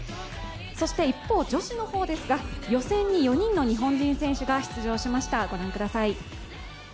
そして一方、女子の方ですが予選に４人の日本人選手が出場しました。